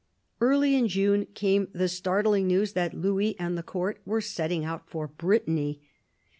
Early in June came the startling news that Louis and the Court were setting out for Brittany.